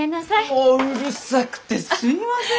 もううるさくてすいません。